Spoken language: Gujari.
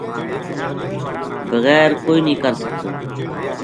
بغیر کوئے نیہہ کر سکتو‘‘